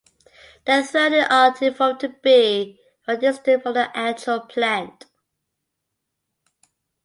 The throne in art evolved to be rather distant from the actual plant.